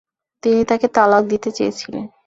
তিনি তাকে তালাক দিতে চেয়েছিলেন।